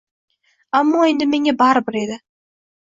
Ammo endi menga baribir edi